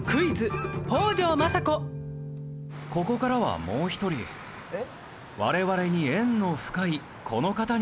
ここからはもう１人我々に縁の深いこの方に加わって頂きます。